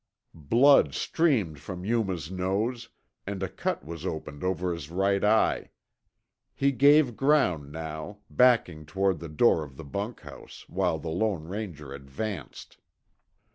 Blood streamed from Yuma's nose, and a cut was opened over his right eye. He gave ground now, backing toward the door of the bunkhouse, while the Lone Ranger advanced.